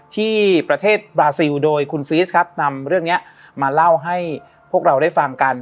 ที่ประเทศบราซิลโดยคุณฟีสครับนำเรื่องนี้มาเล่าให้พวกเราได้ฟังกัน